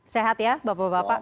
sehat ya bapak bapak